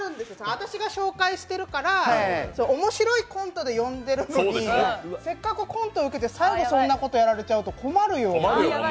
私が紹介してるから面白いコントで呼んでるのにせっかくコントウケて、最後そんなことやられちゃうと困るよ。